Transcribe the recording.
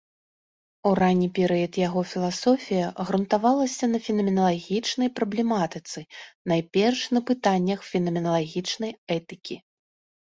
У ранні перыяд яго філасофія грунтавалася на фенаменалагічнай праблематыцы, найперш, на пытаннях фенаменалагічнай этыкі.